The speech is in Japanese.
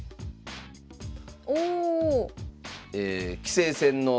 おお！